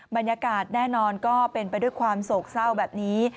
บรรยากาศแน่นอนก็เป็นไปด้วยความโศกเศร้าแบบนี้